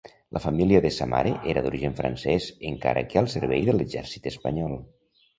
La família de sa mare era d'origen francès encara que al servei de l'exèrcit espanyol.